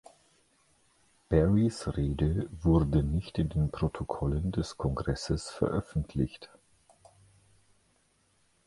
Barrys Rede wurde nicht in den Protokollen des Kongresses veröffentlicht.